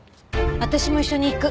私も一緒に行く。